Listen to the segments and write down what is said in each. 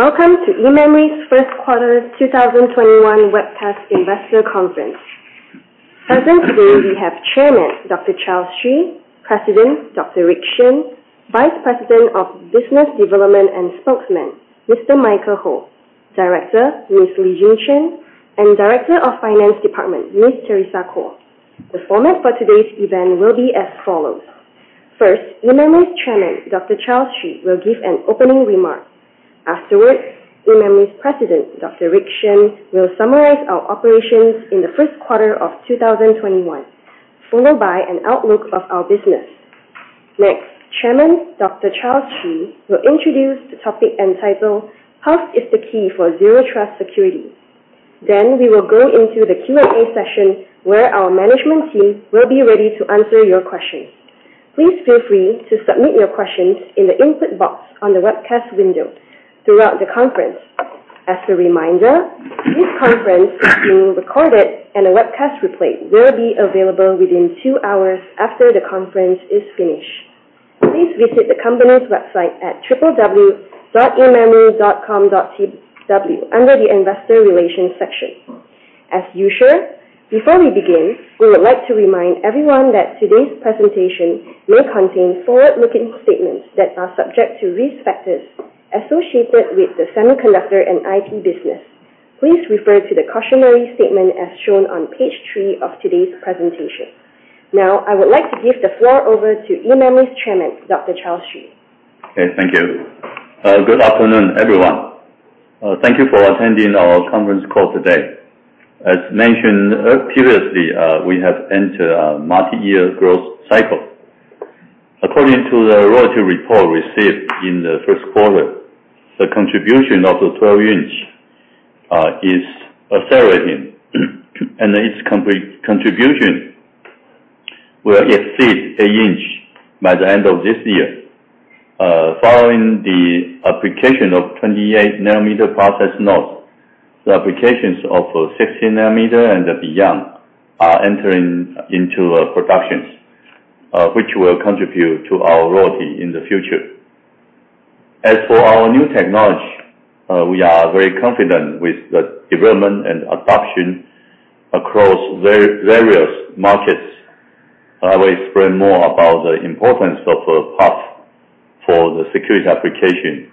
Welcome to eMemory's first quarter 2021 webcast investor conference. Present today we have Chairman, Dr. Charles Hsu, President, Dr. Rick Shen, Vice President of Business Development and Spokesman, Mr. Michael Ho, Director, Ms. Li Yingqin, and Director of Finance Department, Ms. Teresa Kuo. The format for today's event will be as follows. First, eMemory's Chairman, Dr. Charles Hsu, will give an opening remark. Afterwards, eMemory's President, Dr. Rick Shen, will summarize our operations in the first quarter of 2021, followed by an outlook of our business. Next, Chairman, Dr. Charles Hsu, will introduce the topic entitled, "PUF is the Key for Zero Trust Security." We will go into the Q&A session, where our management team will be ready to answer your questions. Please feel free to submit your questions in the input box on the webcast window throughout the conference. As a reminder, this conference is being recorded, and a webcast replay will be available within two hours after the conference is finished. Please visit the company's website at www.ememory.com.tw under the investor relations section. As usual, before we begin, we would like to remind everyone that today's presentation may contain forward-looking statements that are subject to risk factors associated with the semiconductor and IT business. Please refer to the cautionary statement as shown on page three of today's presentation. Now, I would like to give the floor over to eMemory's Chairman, Dr. Charles Hsu. Okay. Thank you. Good afternoon, everyone. Thank you for attending our conference call today. As mentioned previously, we have entered a multi-year growth cycle. According to the royalty report received in the first quarter, the contribution of the 12-inch is accelerating, and its contribution will exceed 8-inch by the end of this year. Following the application of 28 nanometer process node, the applications of 60 nanometer and beyond are entering into productions, which will contribute to our royalty in the future. As for our new technology, we are very confident with the development and adoption across various markets. I will explain more about the importance of PUF for the security application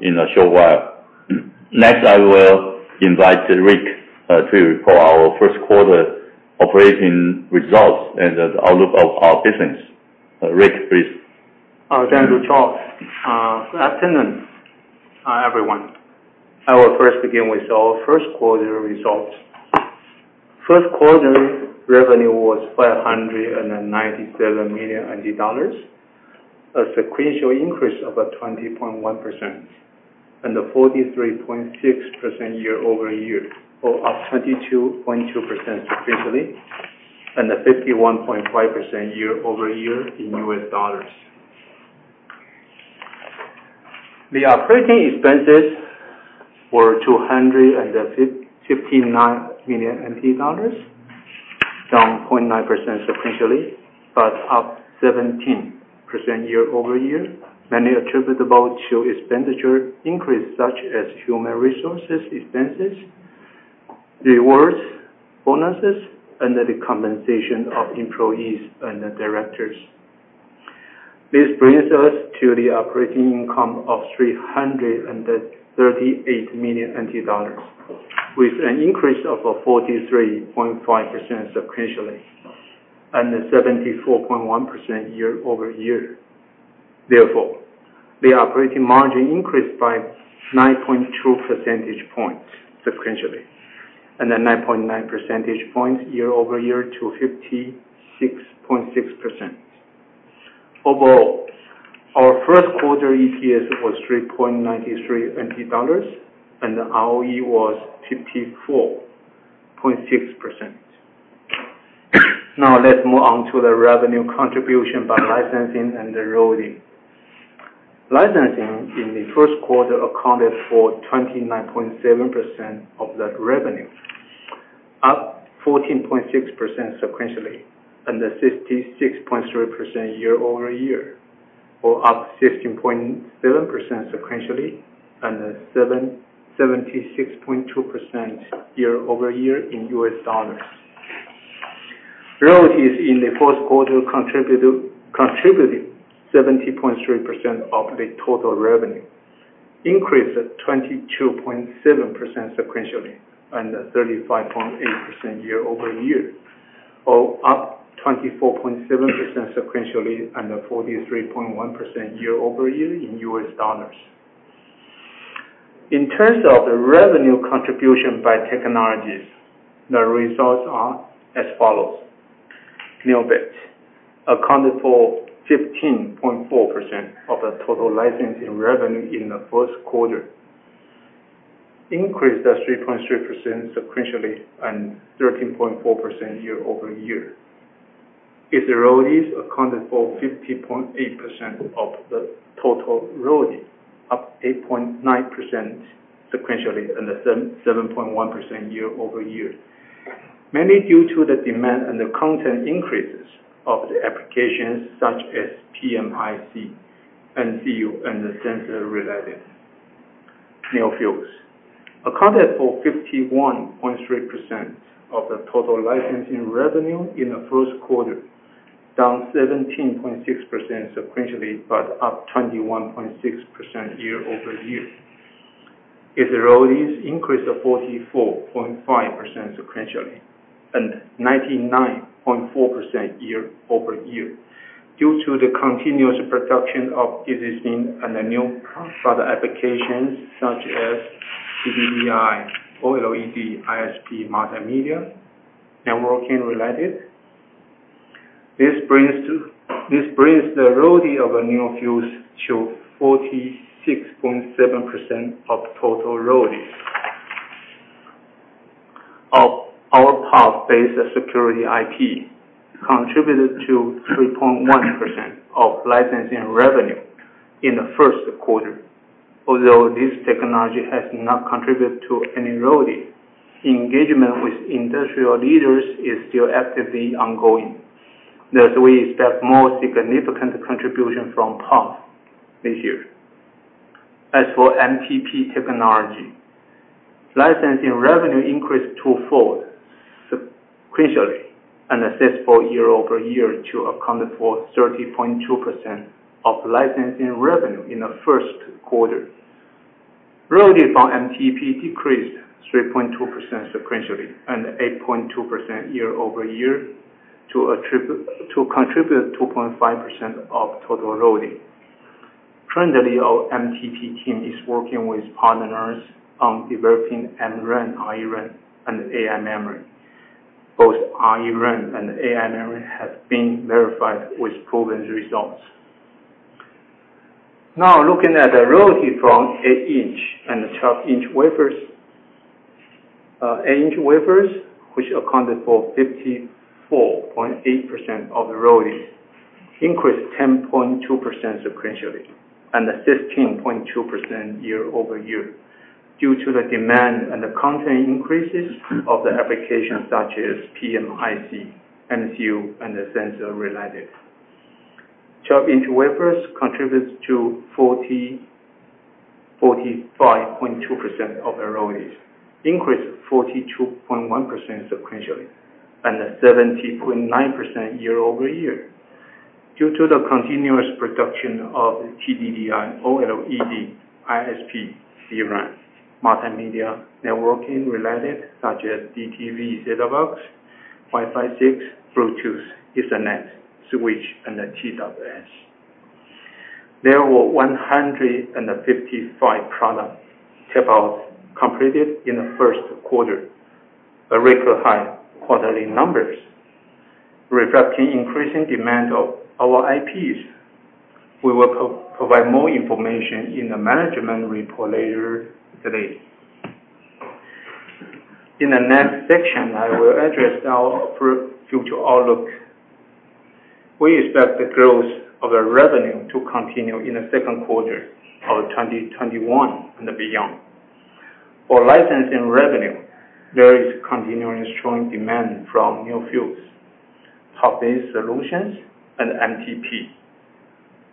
in a short while. I will invite Rick to report our first quarter operating results and the outlook of our business. Rick, please. Thank you, Charles. Good afternoon, everyone. I will first begin with our first quarter results. First quarter revenue was 597 million dollars, a sequential increase of 20.1% and 43.6% year-over-year, or up 22.2% sequentially and 51.5% year-over-year in U.S. dollars. The operating expenses were TWD 259 million, down 0.9% sequentially, but up 17% year-over-year, mainly attributable to expenditure increase, such as human resources expenses, rewards, bonuses, and the compensation of employees and the directors. This brings us to the operating income of 338 million NT dollars, with an increase of 43.5% sequentially and 74.1% year-over-year. Therefore, the operating margin increased by 9.2 percentage points sequentially, and then 9.9 percentage points year-over-year to 56.6%. Overall, our first quarter EPS was 3.93 dollars, and the ROE was 54.6%. Now, let's move on to the revenue contribution by licensing and the royalty. Licensing in the first quarter accounted for 29.7% of that revenue, up 14.6% sequentially and 56.3% year-over-year, or up 16.7% sequentially and 76.2% year-over-year in U.S. dollars. Royalties in the first quarter contributed 70.3% of the total revenue, increase at 22.7% sequentially and 35.8% year-over-year. Up 24.7% sequentially and 43.1% year-over-year in U.S. dollars. In terms of the revenue contribution by technologies, the results are as follows. NeoBit accounted for 15.4% of the total licensing revenue in the first quarter, increased at 3.3% sequentially and 13.4% year-over-year. Other royalty accounted for 50.8% of the total royalty, up 8.9% sequentially and 7.1% year-over-year. Mainly due to the demand and the content increases of the applications such as PMIC, MCU, and the sensor related. NeoFuse accounted for 51.3% of the total licensing revenue in the first quarter, down 17.6% sequentially, but up 21.6% year-over-year. Its royalties increased 44.5% sequentially and 99.4% year-over-year due to the continuous production of existing and new product applications such as TDDI, OLED, ISP, multimedia, networking related. This brings the royalty of a NeoFuse to 46.7% of total royalties. Our PUF-based security IP contributed to 3.1% of licensing revenue in the first quarter. Although this technology has not contributed to any royalty, engagement with industrial leaders is still actively ongoing, thus we expect more significant contribution from PUF this year. As for MTP technology, licensing revenue increased twofold sequentially and a six-fold year-over-year to account for 30.2% of licensing revenue in the first quarter. Royalty from MTP decreased 3.2% sequentially and 8.2% year-over-year to contribute 2.5% of total royalty. Currently, our MTP team is working with partners on developing MRAM, ReRAM, and AI memory. Both ReRAM and AI memory have been verified with proven results. Now, looking at the royalty from eight-inch and the 12-inch wafers. Eight-inch wafers, which accounted for 54.8% of the royalties, increased 10.2% sequentially and 15.2% year-over-year due to the demand and the content increases of the applications such as PMIC, MCU, and the sensor related. 12-inch wafers contributes to 45.2% of the royalties, increased 42.1% sequentially and 70.9% year-over-year due to the continuous production of DDI, OLED, ISP, DRAM, multimedia, networking related such as DTV, set-top box, Wi-Fi 6, Bluetooth, Ethernet, switch, and TWS. There were 155 product tapeouts completed in the first quarter, a record high quarterly numbers, reflecting increasing demand of our IPs. We will provide more information in the management report later today. In the next section, I will address our future outlook. We expect the growth of the revenue to continue in the second quarter of 2021 and beyond. For licensing revenue, there is continuing strong demand from NeoFuse, PUF-based solutions, and MTP.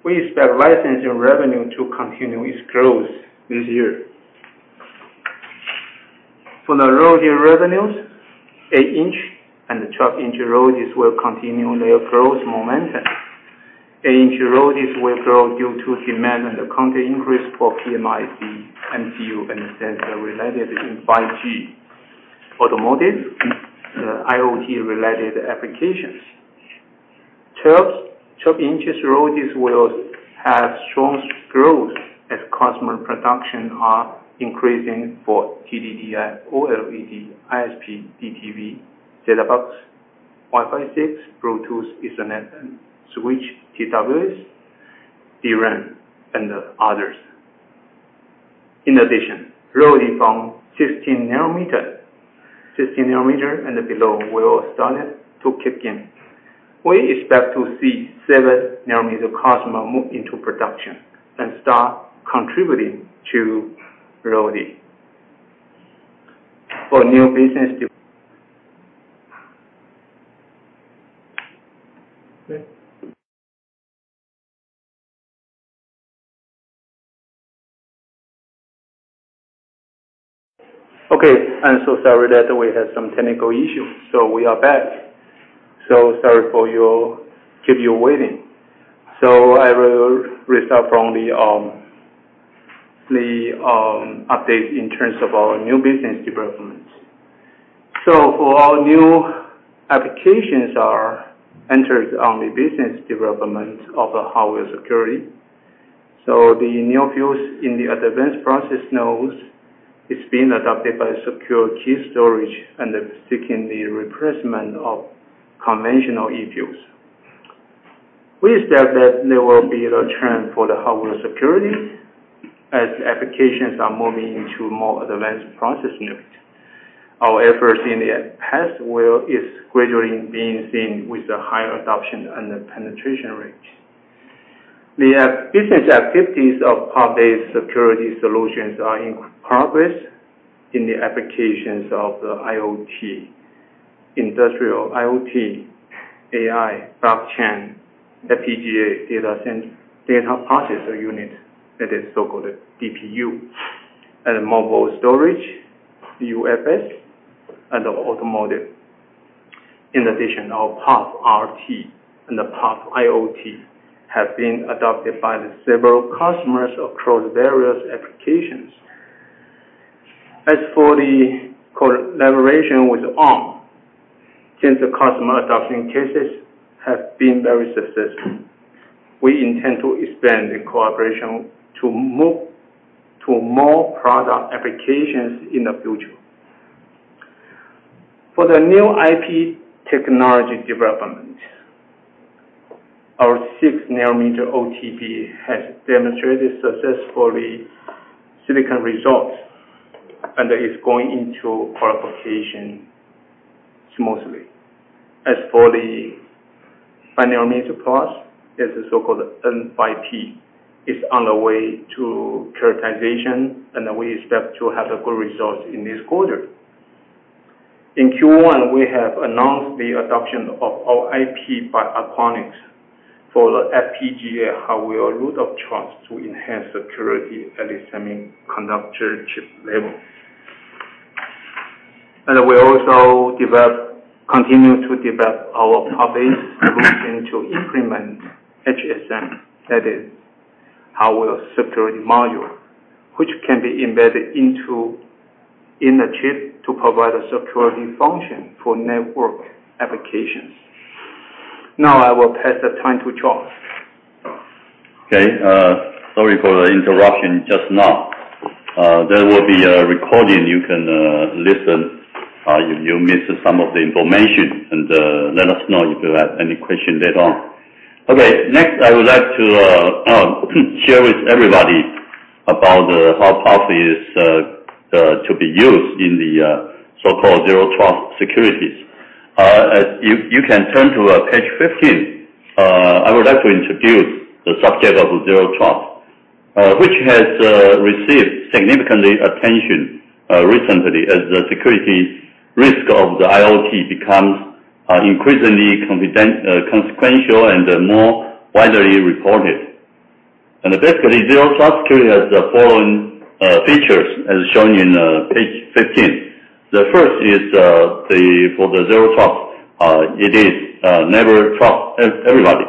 We expect licensing revenue to continue its growth this year. For the royalty revenues, eight-inch and 12-inch royalties will continue their growth momentum. Eight-inch royalties will grow due to demand and the content increase for PMIC, MCU, and sensor related in 5G, automotive, and IoT related applications. 12-inch royalties will have strong growth as customer production are increasing for DDIC, OLED, ISP, DTV, set-top box, Wi-Fi 6, Bluetooth, Ethernet, and switch, TWS, DRAM, and others. In addition, royalty from 16 nanometer and below will start to kick in. We expect to see seven nanometer customer move into production and start contributing to royalty. I'm so sorry that we had some technical issue. We are back. Sorry to keep you waiting. I will restart from the update in terms of our new business developments. For our new applications are centered on the business development of the hardware security. The NeoFuse in the advanced process nodes is being adopted by secure key storage and seeking the replacement of conventional eFuses. We expect that there will be a turn for the hardware security as applications are moving into more advanced process nodes. Our efforts in the past is gradually being seen with a higher adoption and penetration rate. The business activities of PUF-based security solutions are in progress in the applications of the IoT, industrial IoT, AI, blockchain, FPGA, data processor unit, that is so-called DPU, and mobile storage, UFS, and automotive. In addition, our PUFrt and the PUFiot have been adopted by several customers across various applications. As for the collaboration with Arm, since the customer adoption cases have been very successful, we intend to expand the collaboration to more product applications in the future. For the new IP technology development, our six-nanometer OTP has demonstrated successfully silicon results and is going into qualification smoothly. As for the five-nanometer plus, it's the so-called N5P, it's on the way to characterization, and we expect to have good results in this quarter. In Q1, we have announced the adoption of our IP by Achronix for the FPGA hardware root of trust to enhance security at the semiconductor chip level. We also continue to develop our PUF-based solution to implement HSM. That is, hardware security module, which can be embedded in the chip to provide a security function for network applications. Now, I will pass the time to Charles Hsu. Okay. Sorry for the interruption just now. There will be a recording you can listen if you missed some of the information, and let us know if you have any question later on. Okay. I would like to share with everybody about how PUF is to be used in the so-called zero trust security. If you can turn to page 15, I would like to introduce the subject of zero trust, which has received significant attention recently as the security risk of the IoT becomes increasingly consequential and more widely reported. Basically, zero trust security has the following features as shown in page 15. The first is for the zero trust, it is never trust everybody,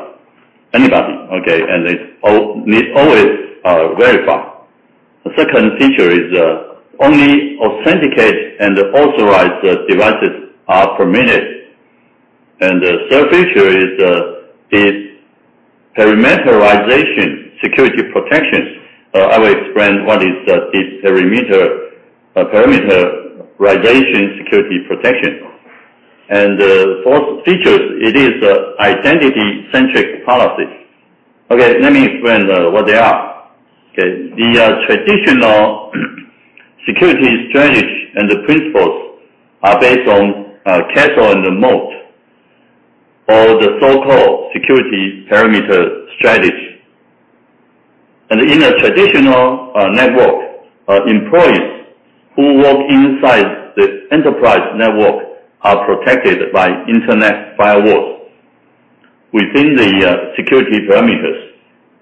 anybody, okay? It always verify. The second feature is only authenticated and authorized devices are permitted. The third feature is de-perimeterization security protection. I will explain what is de-perimeterization security protection. The fourth feature, it is identity-centric policy. Let me explain what they are. The traditional security strategies and principles are based on castle and the moat or the so-called security parameter strategy. In a traditional network, employees who work inside the enterprise network are protected by Internet firewalls within the security parameters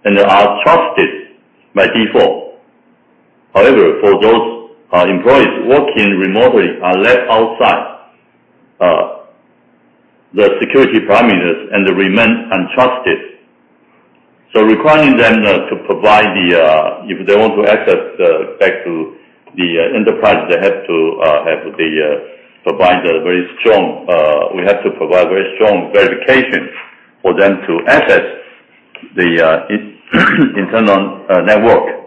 and are trusted by default. However, for those employees working remotely are left outside the security parameters and remain untrusted. Requiring them to provide, if they want to access back to the enterprise, we have to provide very strong verification for them to access the internal network.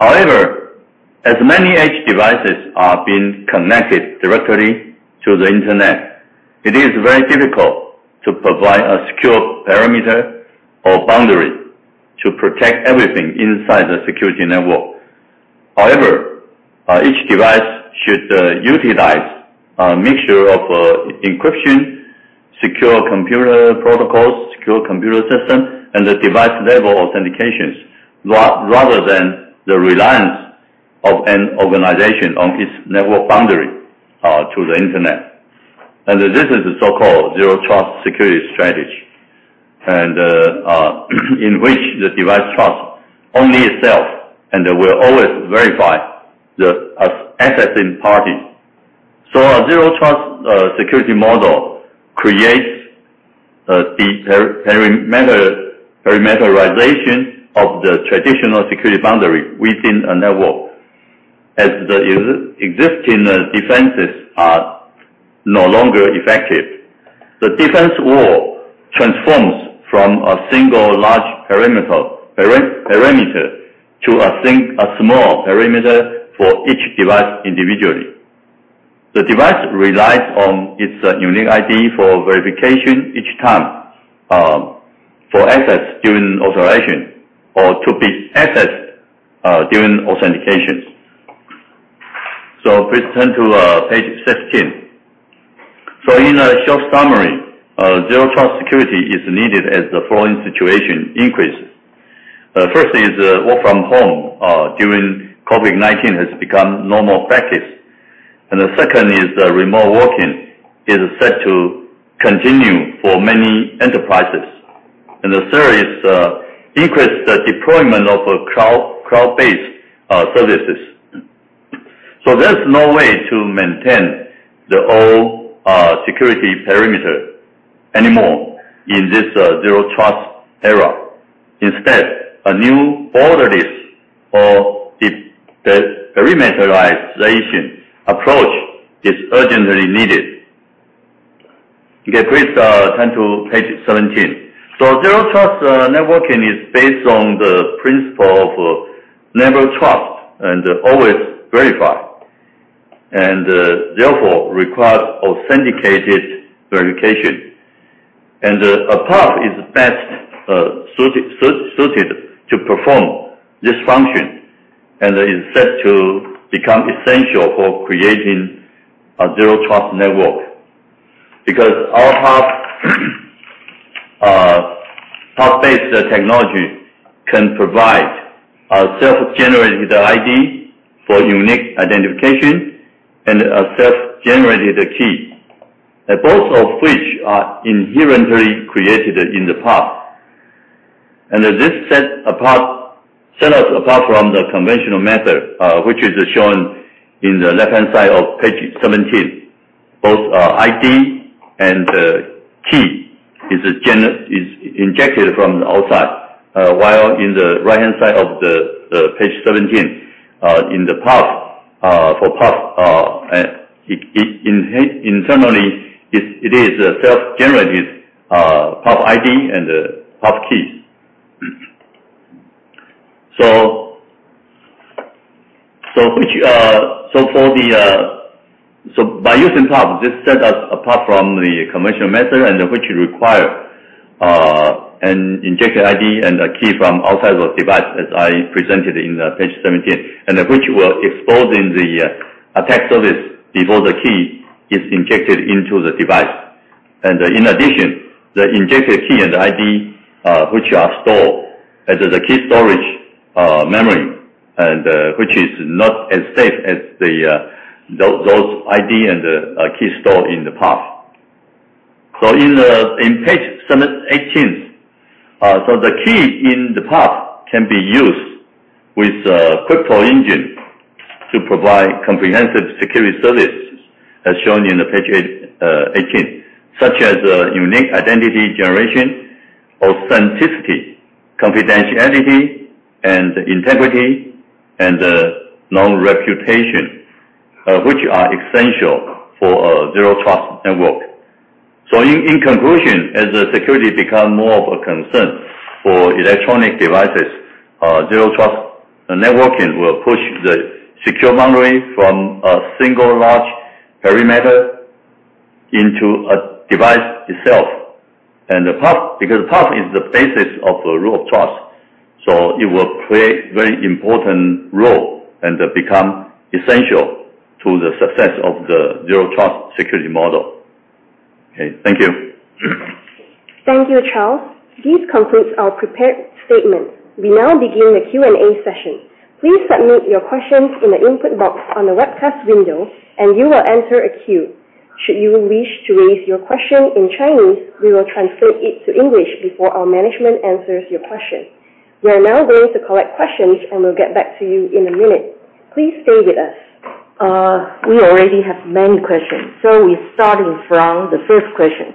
However, as many edge devices are being connected directly to the Internet, it is very difficult to provide a secure perimeter or boundary to protect everything inside the security network. However, each device should utilize a mixture of encryption, secure computer protocols, secure computer system, and the device-level authentications, rather than the reliance of an organization on its network boundary to the Internet. This is the so-called zero trust security strategy, in which the device trusts only itself, they will always verify the accessing parties. A zero trust security model creates de-perimeterization of the traditional security boundary within a network, as the existing defenses are no longer effective. The defense wall transforms from a single large perimeter to a small perimeter for each device individually. The device relies on its unique ID for verification each time for access during authorization or to be accessed during authentications. Please turn to page 16. In a short summary, zero trust security is needed as the following situation increases. First is work from home during COVID-19 has become normal practice. The second is remote working is set to continue for many enterprises. The third is increase the deployment of cloud-based services. There's no way to maintain the old security perimeter anymore in this zero trust era. Instead, a new borderless or de-perimeterization approach is urgently needed. Okay, please turn to page 17. Zero trust networking is based on the principle of never trust and always verify, and therefore requires authenticated verification. PUF is best suited to perform this function and is set to become essential for creating a zero trust network. Because our PUF-based technology can provide a self-generated ID for unique identification and a self-generated key, both of which are inherently created in the PUF. This set us apart from the conventional method, which is shown in the left-hand side of page 17. Both ID and key is injected from the outside, while in the right-hand side of page 17, for PUF, internally, it is a self-generated PUF ID and PUF keys. By using PUF, this set us apart from the conventional method and which require an injected ID and a key from outside the device, as I presented in page 17, and which will expose the attack service before the key is injected into the device. In addition, the injected key and ID, which are stored as the key storage memory and which is not as safe as those ID and key stored in the PUF. In page 18, the key in the PUF can be used with a crypto engine to provide comprehensive security services as shown in page 18, such as unique identity generation, authenticity, confidentiality, integrity, and non-repudiation, which are essential for a zero trust network. In conclusion, as security become more of a concern for electronic devices, zero trust networking will push the secure boundary from a single large perimeter into a device itself. Because PUF is the basis of the root of trust, it will play a very important role and become essential to the success of the zero trust security model. Okay. Thank you. Thank you, Charles. This concludes our prepared statement. We now begin the Q&A session. Please submit your questions in the input box on the webcast window and you will enter a queue. Should you wish to raise your question in Chinese, we will translate it to English before our management answers your question. We are now going to collect questions, and we'll get back to you in a minute. Please stay with us. We already have many questions, so we're starting from the first question.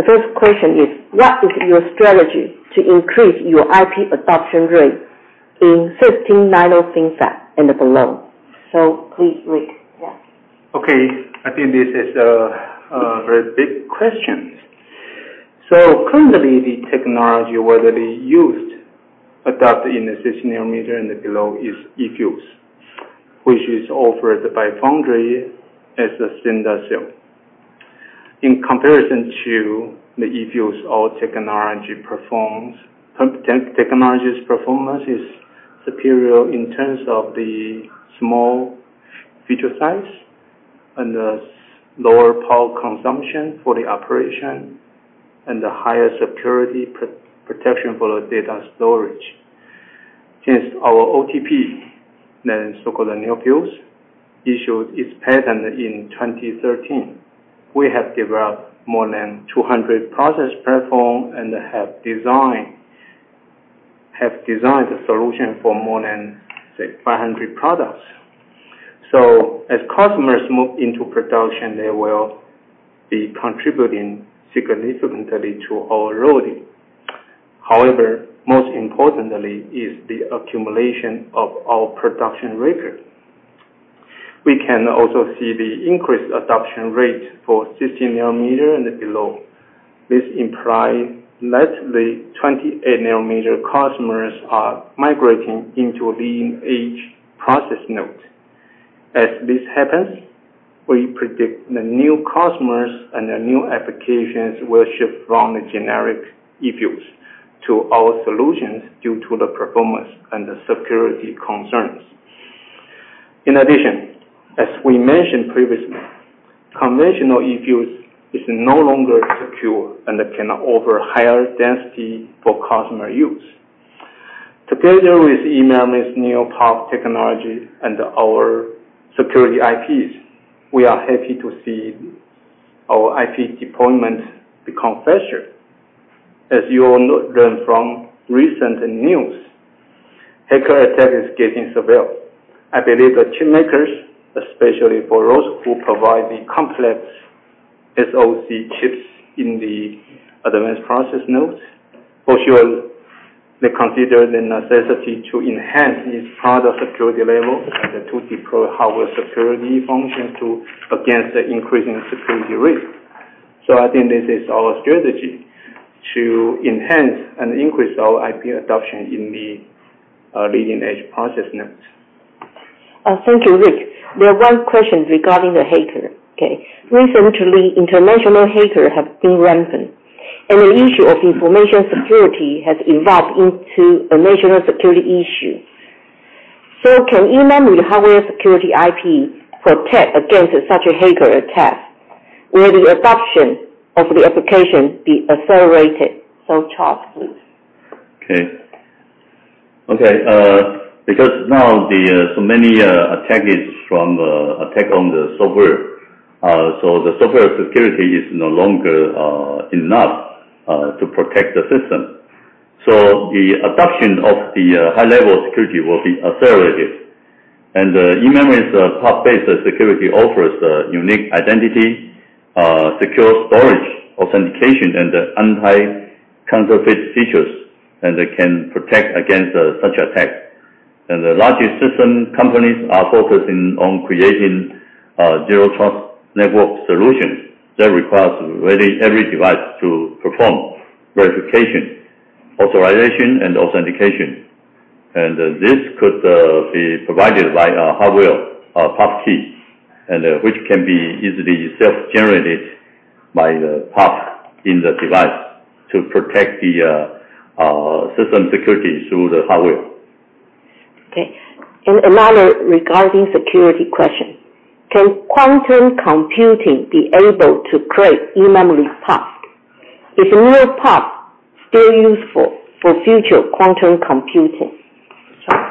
The first question is: What is your strategy to increase your IP adoption rate in 16 nanometer and below? Please, Rick. Yeah. I think this is a very big question. Currently, the technology, whether it is used, adopted in the 16 nanometer and below is eFuse, which is offered by foundry as a standard cell. In comparison to the eFuse, our technology's performance is superior in terms of the small feature size and the lower power consumption for the operation and the higher security protection for the data storage. Since our OTP, the so-called NeoFuse, issued its patent in 2013, we have developed more than 200 process platforms and have designed a solution for more than, say, 500 products. As customers move into production, they will be contributing significantly to our loading. Most importantly is the accumulation of our production record. We can also see the increased adoption rate for 16 nanometer and below. This implies that the 28-nanometer customers are migrating into leading-edge process nodes. As this happens. We predict the new customers and the new applications will shift from the generic eFuses to our solutions due to the performance and the security concerns. As we mentioned previously, conventional eFuses is no longer secure and cannot offer higher density for customer use. Together with eMemory's new PUF technology and our security IPs, we are happy to see our IP deployment become faster. As you all learned from recent news, hacker attack is getting severe. I believe the chip makers, especially for those who provide the complex SoC chips in the advanced process nodes, for sure, they consider the necessity to enhance its product security level and to deploy hardware security function to against the increasing security risk. I think this is our strategy to enhance and increase our IP adoption in the leading-edge process nodes. Thank you, Rick. There are one question regarding the hacker. Recently, international hackers have been rampant, and the issue of information security has evolved into a national security issue. Can eMemory hardware security IP protect against such a hacker attack? Will the adoption of the application be accelerated? Charles, please. Now so many attack is from attack on the software, the software security is no longer enough to protect the system. The adoption of the high-level security will be accelerated, eMemory's PUF-based security offers a unique identity, secure storage authentication, and anti-counterfeit features, and can protect against such attacks. The largest system companies are focusing on creating zero trust network solutions that requires every device to perform verification, authorization, and authentication. This could be provided by a hardware, a PUF key, which can be easily self-generated by the PUF in the device to protect the system security through the hardware. Okay. Another regarding security question: Can quantum computing be able to crack eMemory's PUF? Is a new PUF still useful for future quantum computing? Charles.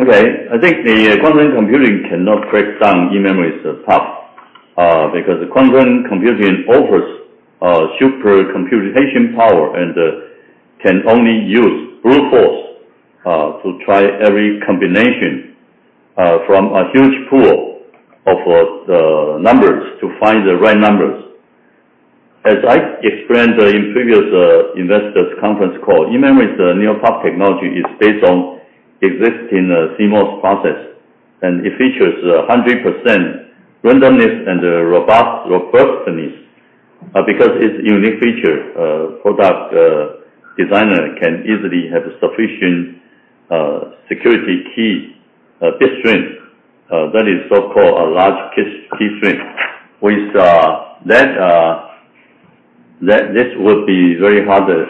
Okay. I think the quantum computing cannot crack down eMemory's PUF, because quantum computing offers super computation power and can only use brute force to try every combination from a huge pool of numbers to find the right numbers. As I explained in previous investors' conference call, eMemory's new PUF technology is based on existing CMOS process, and it features 100% randomness and robustness. Because it's a unique feature, product designer can easily have sufficient security key bit strength, that is so-called a large key strength. This will be very harder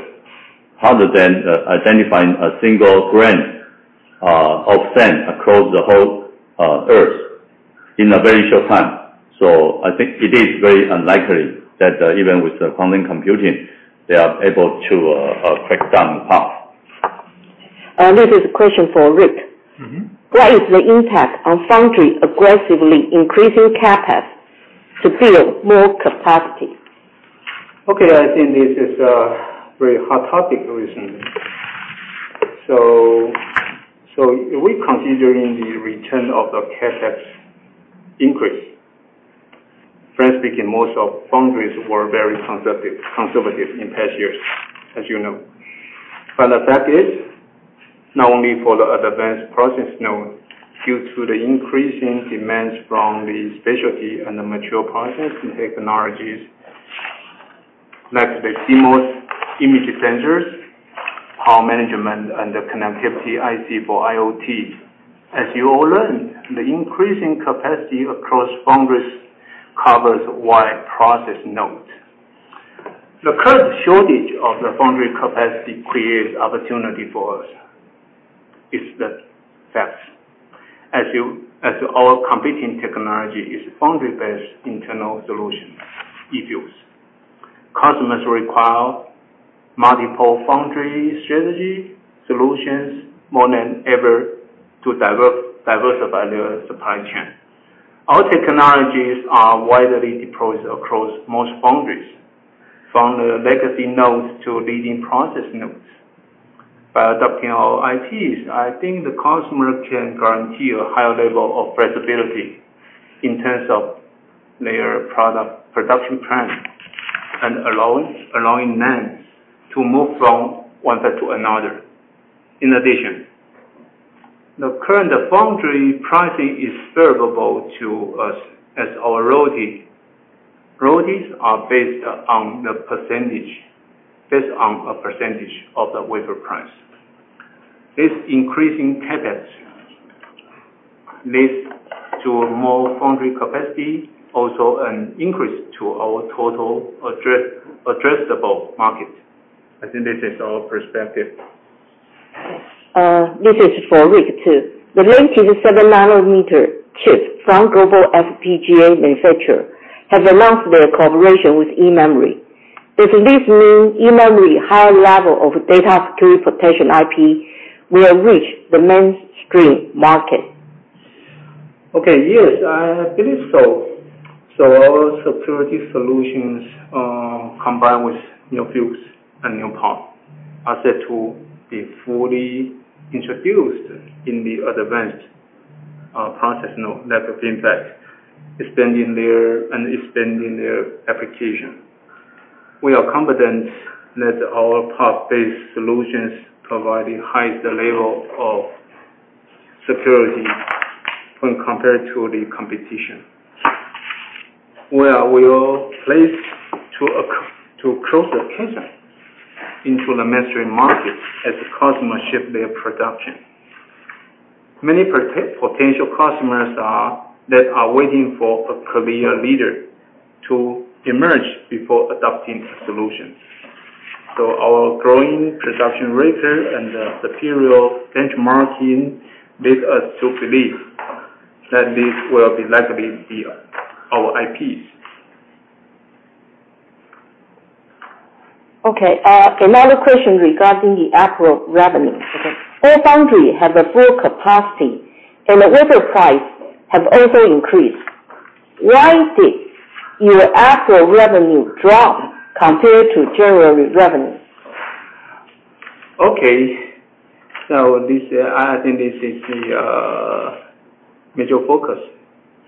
than identifying a single grain of sand across the whole Earth in a very short time. I think it is very unlikely that even with the quantum computing, they are able to crack down PUF. This is a question for Rick. What is the impact on foundry aggressively increasing CapEx to build more capacity? I think this is a very hot topic recently. We're considering the return of the CapEx increase. Frankly speaking, most foundries were very conservative in past years, as you know. The fact is, not only for the advanced process node, due to the increasing demands from the specialty and the mature process technologies, like the CMOS image sensors, power management, and the connectivity IC for IoT. As you all learned, the increasing capacity across foundries covers a wide process node. The current shortage of the foundry capacity creates opportunity for us. It's the fact. As our competing technology is foundry-based internal solution, eFuses. Customers require multiple foundry strategy solutions more than ever to diversify their supply chain. Our technologies are widely deployed across most foundries, from the legacy nodes to leading process nodes. By adopting our IPs, I think the customer can guarantee a higher level of flexibility in terms of their production plan. Allowing them to move from one set to another. In addition, the current foundry pricing is favorable to us as our royalties are based on a percentage of the wafer price. This increasing capacity leads to more foundry capacity, also an increase to our total addressable market. I think this is our perspective. This is for Rick too. The latest seven nanometer chips from global FPGA manufacturer have announced their collaboration with eMemory. Does this mean eMemory higher level of data security protection IP will reach the mainstream market? Okay. Yes, I believe so. Our security solutions, combined with NeoFuse and NeoPUF, are set to be fully introduced in the advanced process node that will impact, and expanding their application. We are confident that our PUF-based solutions provide the highest level of security when compared to the competition. Where we are placed to cross the chasm into the mainstream market as customers ship their production. Many potential customers that are waiting for a clear leader to emerge before adopting solutions. Our growing production rates and superior benchmarking lead us to believe that this will likely be our IPs. Okay. Another question regarding the April revenues. All foundry have a full capacity, and the wafer price have also increased. Why is it your April revenue dropped compared to January revenue? Okay. I think this is the major focus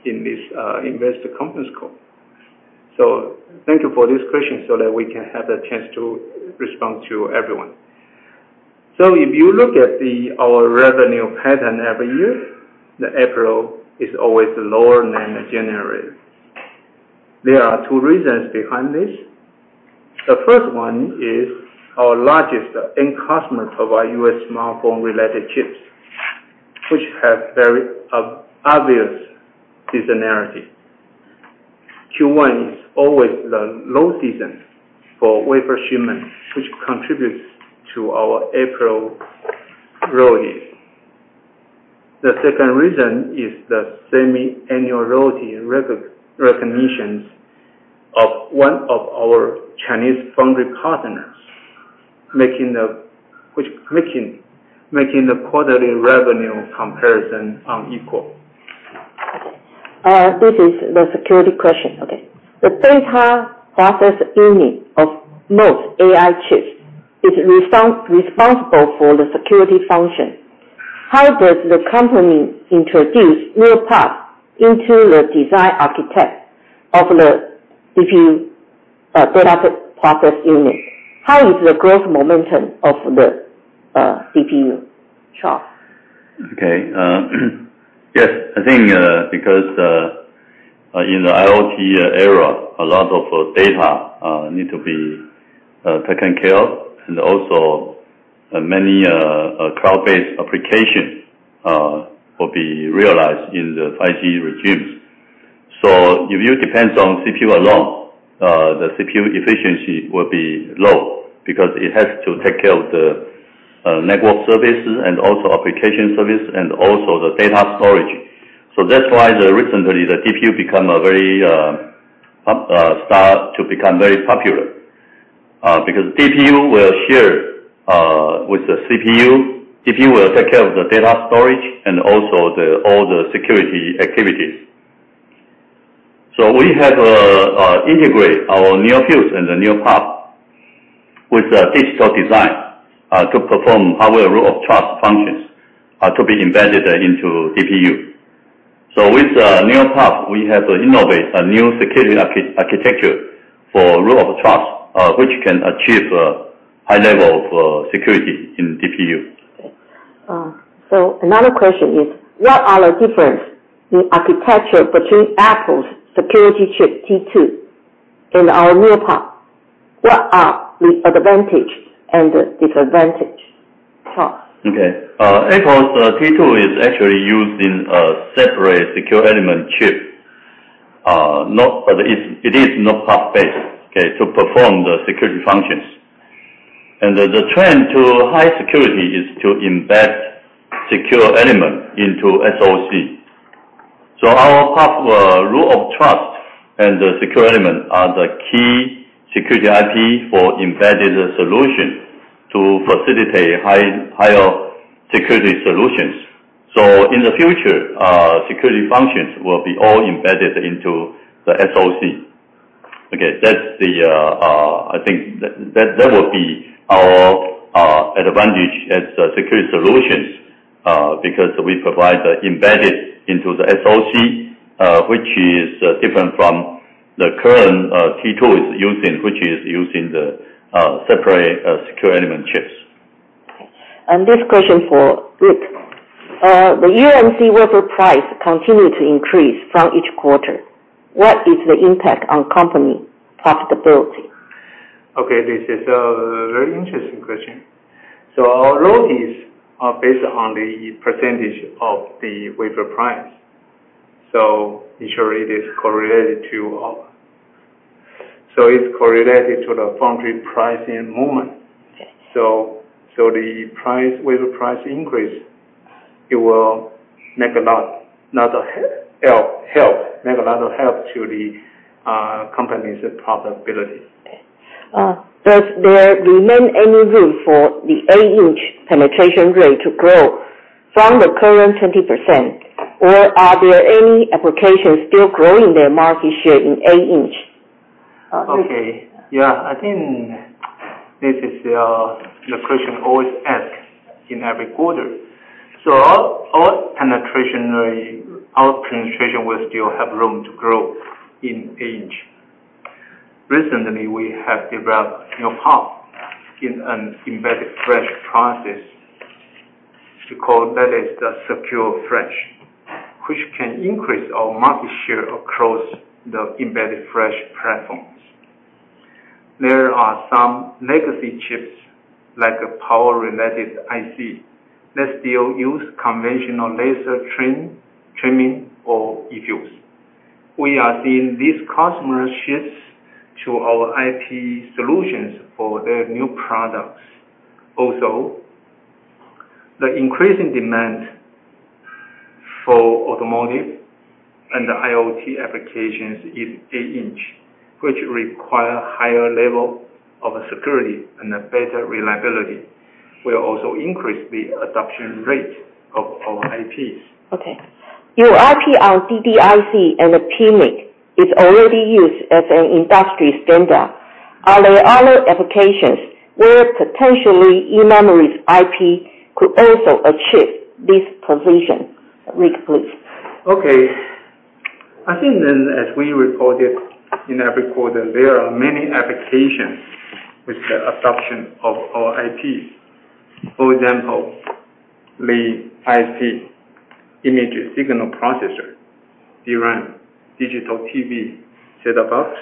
in this investor conference call. Thank you for this question so that we can have the chance to respond to everyone. If you look at our revenue pattern every year, the April is always lower than January. There are two reasons behind this. The first one is our largest end customer provide U.S. smartphone-related chips, which have very obvious seasonality. Q1 is always the low season for wafer shipment, which contributes to our April royalties. The second reason is the semi-annual royalty recognitions of one of our Chinese foundry partners, making the quarterly revenue comparison unequal. This is the security question. Okay. The data process unit of most AI chips is responsible for the security function. How does the company introduce new products into the design architect of the DPU, data process unit? How is the growth momentum of the DPU? Charles? Okay. Yes, I think, in the IoT era, a lot of data need to be taken care of, and also many cloud-based applications will be realized in the 5G regimes. If you depend on CPU alone, the CPU efficiency will be low because it has to take care of the network services and also application service and also the data storage. That's why recently, the DPU start to become very popular. DPU will share with the CPU. DPU will take care of the data storage and also all the security activities. We have integrated our NeoFuse and the NeoPUF with a digital design to perform our root of trust functions to be embedded into DPU. With NeoPUF, we have innovated a new security architecture for root of trust, which can achieve a high level of security in DPU. Another question is, what are the difference in architecture between Apple's security chip, T2, and our NeoPUF? What are the advantage and disadvantage? Charles. Apple's T2 is actually used in a separate secure element chip. It is not PUF-based to perform the security functions. The trend to high security is to embed secure element into SoC. Our PUF, root of trust, and the secure element are the key security IP for embedded solution to facilitate higher security solutions. In the future, security functions will be all embedded into the SoC. I think that will be our advantage as security solutions, because we provide the embedded into the SoC, which is different from the current T2 is using, which is using the separate secure element chips. This question for Rick. The UMC wafer price continue to increase from each quarter. What is the impact on company profitability? This is a very interesting question. Our royalties are based on the % of the wafer price. Naturally, it is correlated to the foundry pricing movement. Yes. The wafer price increase, it will make a lot of help to the company's profitability. Okay. Does there remain any room for the eight-inch penetration rate to grow from the current 20%? Are there any applications still growing their market share in eight-inch? Okay. I think this is the question always asked in every quarter. Our penetration will still have room to grow in eight-inch. Recently, we have developed NeoPUF in an embedded Flash process. We call that is the secure Flash, which can increase our market share across the embedded Flash platforms. There are some legacy chips, like power-related ICs, that still use conventional laser trimming or eFuse. We are seeing these customer shifts to our IP solutions for their new products. The increasing demand for automotive and IoT applications is eight-inch, which require higher level of security and better reliability, will also increase the adoption rate of our IPs. Okay. Your IP on DDIC and the PMIC is already used as an industry standard. Are there other applications where potentially eMemory's IP could also achieve this position? Rick, please. Okay. I think then, as we reported in every quarter, there are many applications with the adoption of our IPs. For example, the IP image signal processor, DRAM, digital TV, set-top box,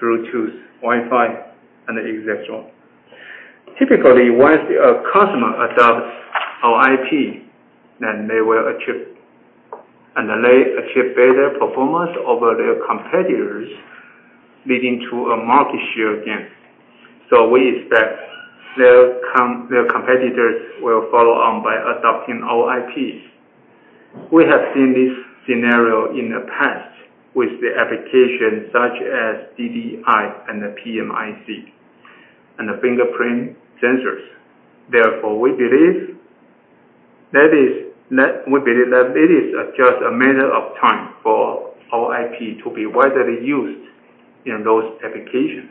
Bluetooth, Wi-Fi, and et cetera. Typically, once a customer adopts our IP, then they will achieve better performance over their competitors, leading to a market share gain. We expect their competitors will follow on by adopting our IPs. We have seen this scenario in the past with the applications such as DDI and the PMIC, and the fingerprint sensors. Therefore, we believe that it is just a matter of time for our IP to be widely used in those applications.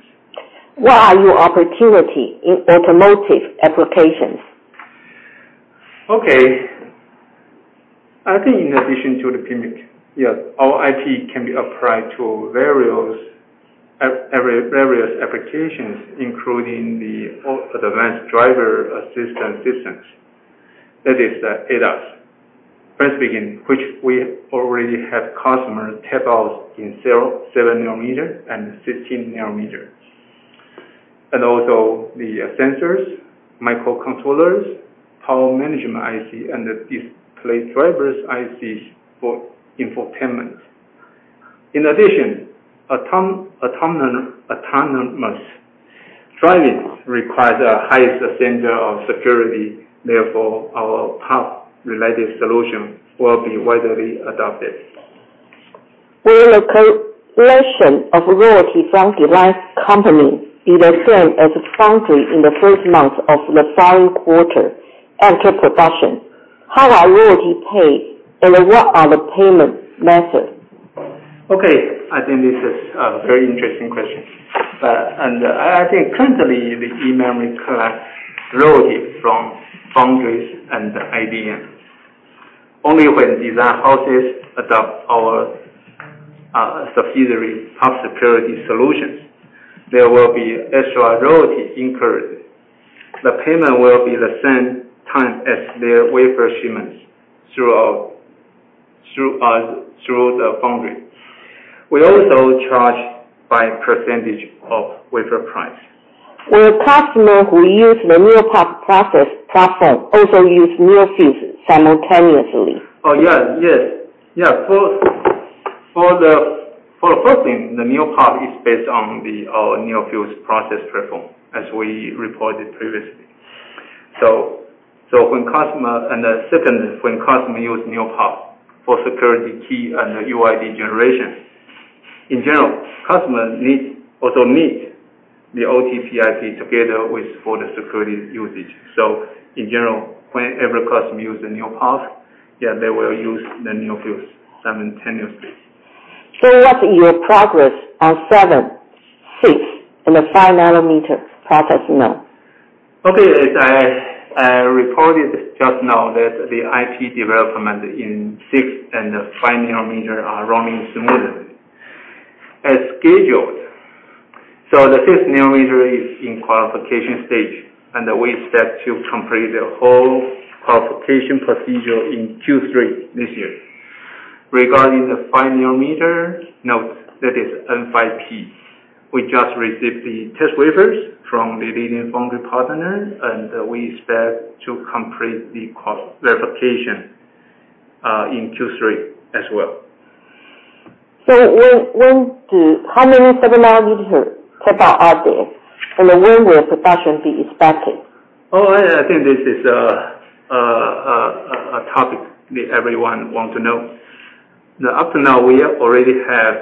What are your opportunity in automotive applications? Okay. I think in addition to the PMIC, our IP can be applied to various applications, including the advanced driver assistance systems, that is the ADAS. First begin, which we already have customers tape out in seven nanometer and 15 nanometer. Also the sensors, microcontrollers, Power Management IC, and the Display Driver IC for infotainment. In addition, autonomous driving requires the highest standard of security. Therefore, our PUF related solution will be widely adopted. Will the collection of royalty from design company be the same as the foundry in the first month of the following quarter after production? How are royalties paid, and what are the payment methods? Okay. I think this is a very interesting question. I think currently, the eMemory collects royalty from foundries and the IDM. Only when design houses adopt our subsidiary PUFsecurity solutions, there will be extra royalty incurred. The payment will be the same time as their wafer shipments through the foundry. We also charge by percentage of wafer price. Will customer who use the NeoPUF platform also use NeoFuse simultaneously? Oh, yes. Yeah. First thing, the NeoPUF is based on our NeoFuse process platform, as we reported previously. Second, when customer use NeoPUF for security key and UID generation, in general, customers also need the OTP IP together with, for the security usage. In general, whenever a customer uses the NeoPUF, yeah, they will use the NeoFuse simultaneously. What's your progress on seven, six and the five nanometer process node? Okay. As I reported just now that the IP development in six and five nanometer are running smoothly as scheduled. The six nanometer is in qualification stage, and we expect to complete the whole qualification procedure in Q3 this year. Regarding the five nanometer node, that is N5P. We just received the test wafers from the leading foundry partner, and we expect to complete the cost verification in Q3 as well. How many technology tape outs are there, and when will production be expected? Oh, I think this is a topic that everyone wants to know. Up to now, we already have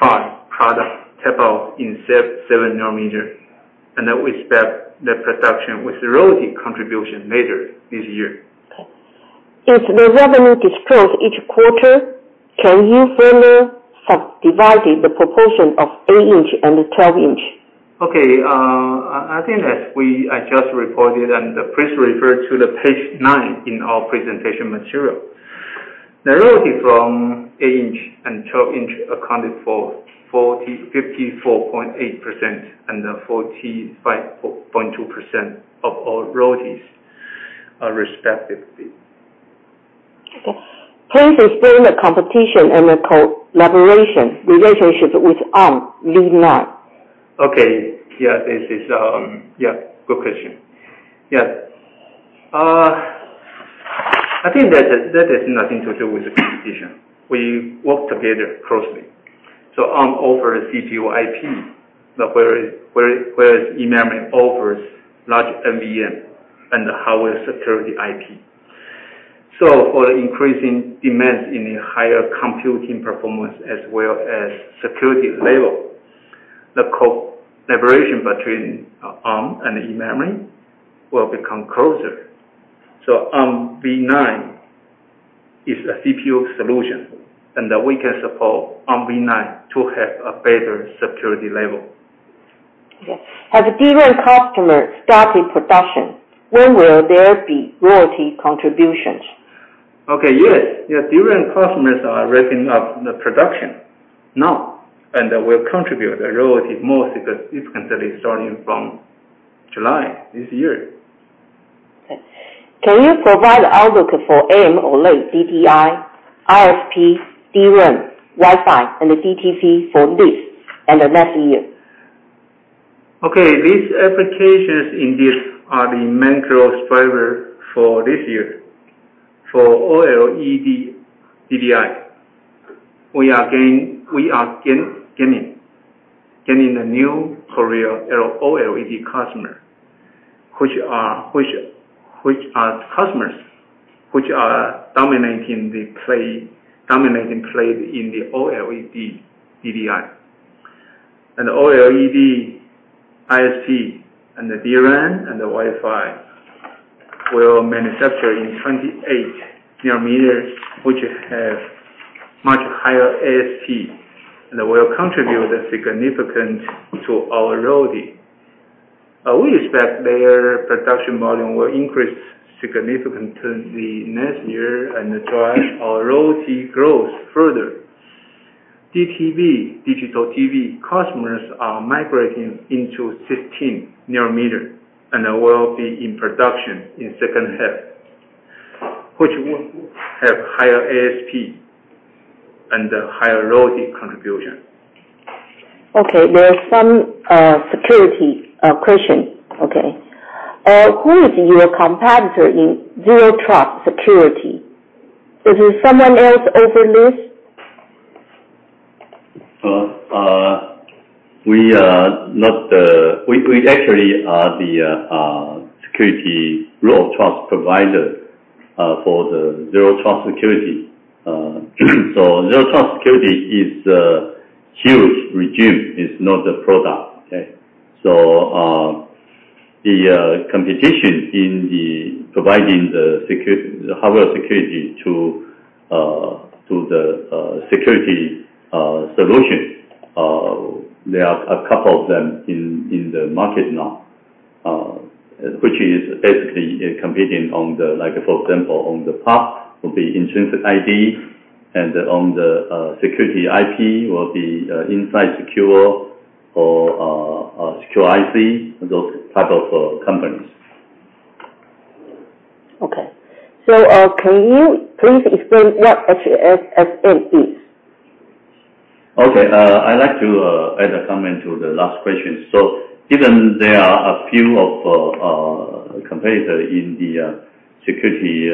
five products tape out in seven nanometer, and we expect the production with royalty contribution later this year. Okay. Since the revenue disclosed each quarter, can you further subdivide the proportion of 8-inch and 12-inch? Okay. I think as we just reported, and please refer to page nine in our presentation material. The royalty from eight inch and 12 in accounted for 54.8% and 45.2% of all royalties respectively. Okay. Please explain the competition and the collaboration relationships with Armv9. Okay. Yeah, good question. I think that has nothing to do with the competition. Arm offers CPU IP, whereas eMemory offers large MVM and hardware security IP. For the increasing demands in higher computing performance as well as security level, the collaboration between Arm and eMemory will become closer. Armv9 is a CPU solution, and we can support Armv9 to have a better security level. Okay. Has DRAM customers started production? When will there be royalty contributions? Okay. Yes. DRAM customers are ramping up the production now, and will contribute a royalty more significantly starting from July this year. Okay. Can you provide the outlook for AMOLED DDI, ISP, DRAM, Wi-Fi, and DTV for this and the next year? Okay. These applications indeed are the main growth driver for this year. For OLED DDI, we are gaining the new OLED customers, which are dominating play in the OLED DDI. OLED ISP and the DRAM and the Wi-Fi will manufacture in 28 nanometers, which have much higher ASP, and will contribute significantly to our royalty. We expect their production volume will increase significantly next year and drive our royalty growth further. DTV, digital TV customers are migrating into 16 nanometer, and will be in production in second half, which will have higher ASP and higher royalty contribution. Okay, there are some security questions. Okay. Who is your competitor in zero trust security? Is it someone else other than this? We actually are the root of trust provider for the zero trust security. Zero trust security is a huge regime, it's not a product. The competition in providing the hardware security to the security solution, there are a couple of them in the market now, which is basically competing on the, for example, on the PUF, will be Intrinsic ID, and on the security IP, will be Inside Secure or Secure-IC, those type of companies. Okay. Can you please explain what HSM is? I'd like to add a comment to the last question. Given there are a few competitors in the security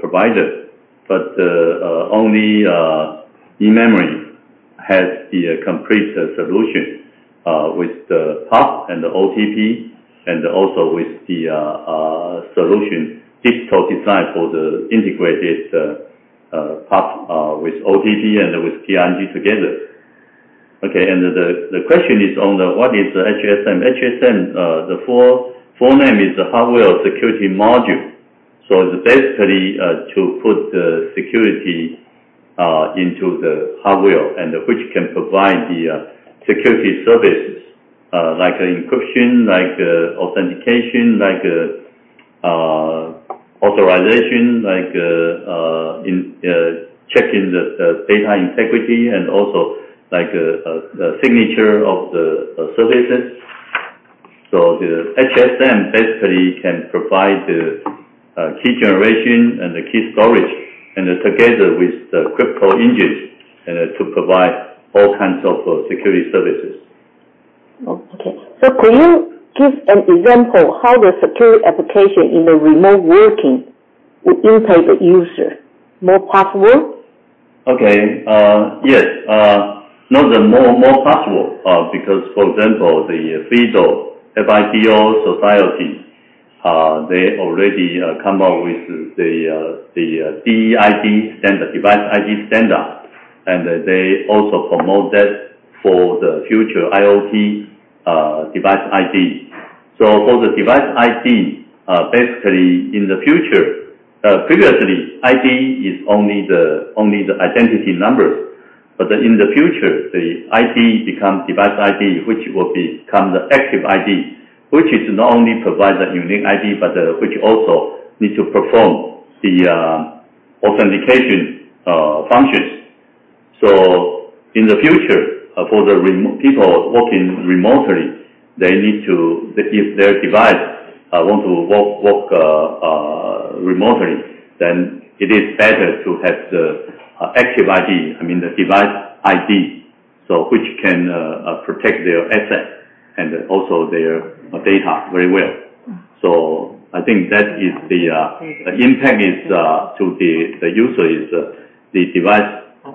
providers, but only eMemory has the complete solution, with the PUF and the OTP and also with the solution digital design for the integrated, PUF, with OTP and with TRNG together. The question is on what is HSM. HSM, the full name is the hardware security module. It's basically to put the security into the hardware, and which can provide the security services, like encryption, like authentication, like authorization, like checking the data integrity and also the signature of the services. The HSM basically can provide the key generation and the key storage, and together with the crypto engines, to provide all kinds of security services. Oh, okay. Could you give an example how the security application in the remote working will impact the user? More possible? Okay. Yes. Not more possible, for example, the FIDO Alliance, they already come out with the DevID standard, device ID standard, and they also promote that for the future IoT device ID. For the device ID, previously, ID is only the identity number. In the future, the ID becomes device ID, which will become the active ID, which not only provides a unique ID, but which also needs to perform the authentication functions. In the future, for the people working remotely, if their device want to work remotely, then it is better to have the active ID, I mean, the device ID, which can protect their asset and also their data very well. I think that is the impact to the user is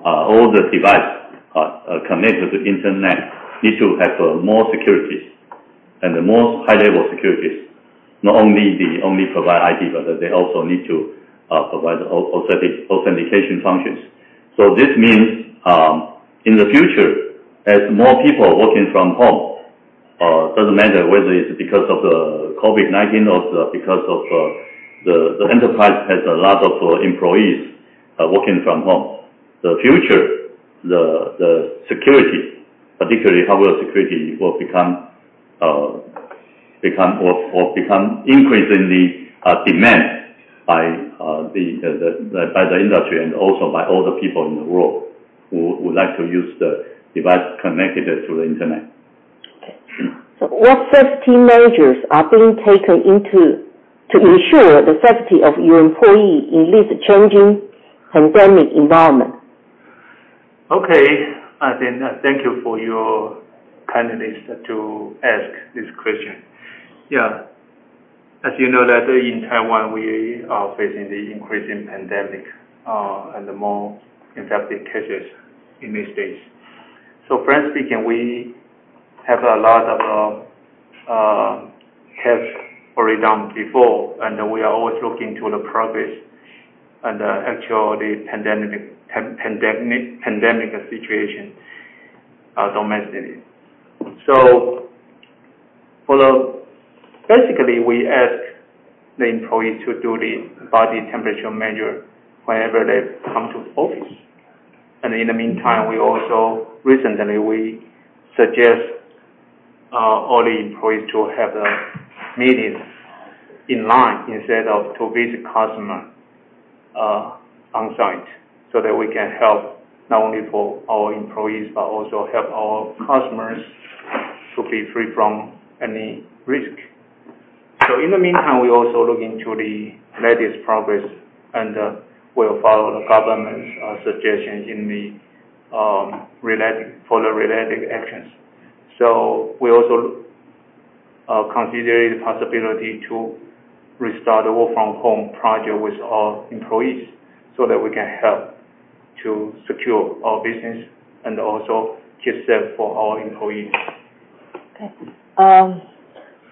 all the device connected to internet need to have more securities and the more high-level securities, not only provide ID, but they also need to provide authentication functions. This means, in the future, as more people working from home, doesn't matter whether it's because of the COVID-19 or because of the enterprise has a lot of employees working from home. The future, the security, particularly hardware security, will become increasingly demanded by the industry and also by all the people in the world who would like to use the device connected to the internet. Okay. What safety measures are being taken to ensure the safety of your employee in this changing pandemic environment? Okay. I thank you for your kindness to ask this question. Yeah. As you know that in Taiwan, we are facing the increasing pandemic, and the more infected cases in these days. Frankly speaking, we have a lot of care already done before, and we are always looking to the progress and actual pandemic situation domestically. Basically, we ask the employees to do the body temperature measure whenever they come to office. In the meantime, recently, we suggest all the employees to have the meetings online instead of to visit customer on-site, so that we can help not only for our employees, but also help our customers to be free from any risk. In the meantime, we're also looking to the latest progress, and we'll follow the government's suggestions for the related actions. We also consider the possibility to restart the work from home project with our employees so that we can help to secure our business and also keep safe for our employees. Okay.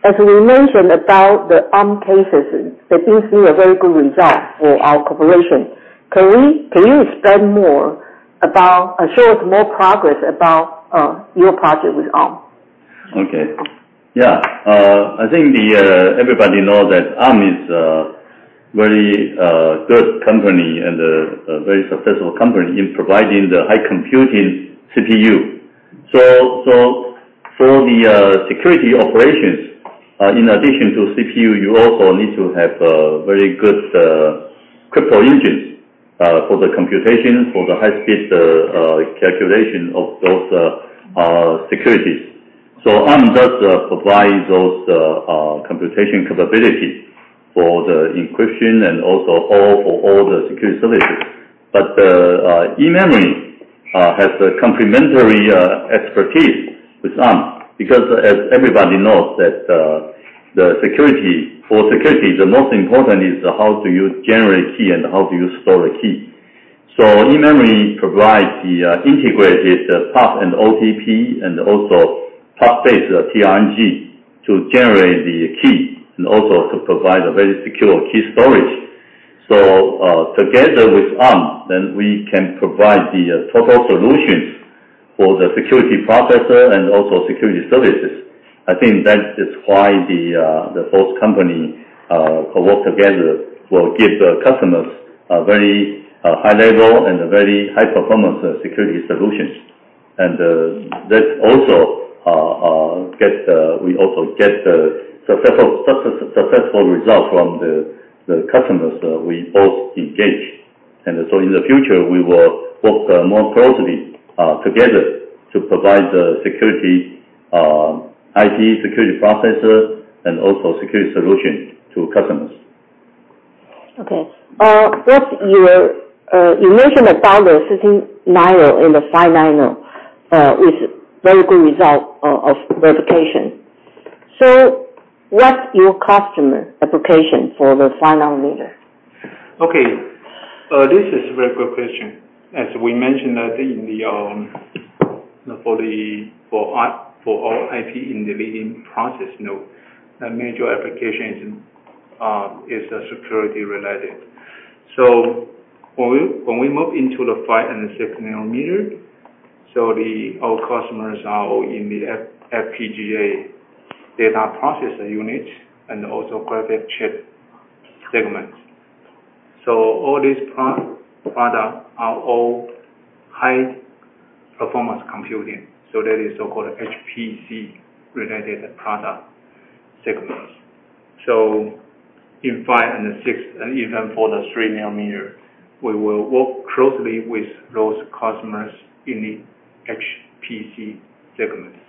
As we mentioned about the Arm cases, that seems to be a very good result for our corporation. Can you explain more about, or show us more progress about your project with Arm? Okay. Yeah. I think everybody know that Arm is a very good company and a very successful company in providing the high computing CPU. For the security operations, in addition to CPU, you also need to have very good crypto engines for the computation, for the high speed calculation of those securities. Arm does provide those computation capabilities for the encryption and also for all the security services. eMemory has a complementary expertise with Arm because, as everybody knows that for security, the most important is how do you generate key and how do you store the key. eMemory provides the integrated PUF and OTP and also PUF-based TRNG to generate the key and also to provide a very secure key storage. Together with Arm, then we can provide the total solutions for the security processor and also security services. I think that is why the both company work together will give customers a very high level and a very high-performance security solutions. We also get successful results from the customers we both engage. In the future, we will work more closely together to provide the IT security processor and also security solutions to customers. Okay. You mentioned about the 16 nano and the five nano with very good result of verification. What's your customer application for the five nanometer? Okay. This is a very good question. As we mentioned, for our IP in the leading process node, major applications is security related. When we move into the five and six nanometer, our customers are all in the FPGA data processor unit and also graphic chip segments. All these products are all high performance computing. That is so-called HPC related product segments. In five and six, and even for the three nanometer, we will work closely with those customers in the HPC segments.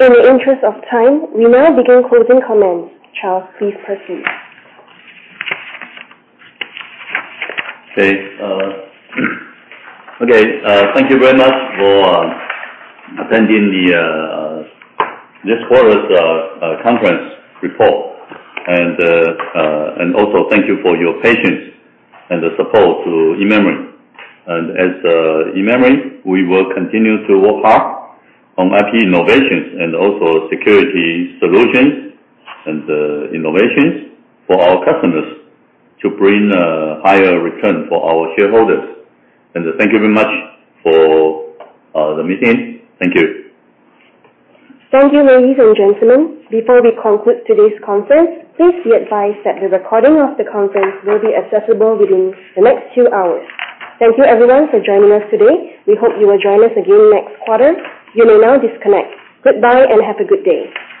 In the interest of time, we now begin closing comments. Charles, please proceed. Okay. Thank you very much for attending this quarter's conference report, also thank you for your patience and the support to eMemory. As eMemory, we will continue to work hard on IP innovations and also security solutions and innovations for our customers to bring a higher return for our shareholders. Thank you very much for the meeting. Thank you. Thank you, ladies and gentlemen. Before we conclude today's conference, please be advised that the recording of the conference will be accessible within the next two hours. Thank you, everyone, for joining us today. We hope you will join us again next quarter. You may now disconnect. Goodbye, and have a good day.